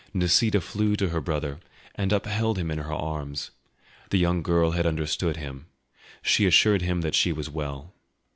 Nisida flew to her brother and upheld him in her arms. The young girl had understood him; she assured him that she was well.